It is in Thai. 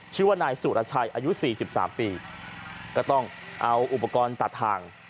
ชื่อว่านายสุรชัยอายุ๔๓ปีก็ต้องเอาอุปกรณ์ตัดทาง